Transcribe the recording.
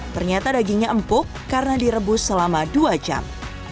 ternyata dagingnya empuk karena direbus selama dua jam